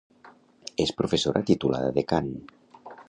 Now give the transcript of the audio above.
És professora titulada de cant.